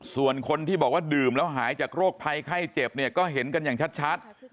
ส่วนคนที่บอกว่าดื่มแล้วหายจากโรคภัยไข้เจ็บเนี่ยก็เห็นกันอย่างชัด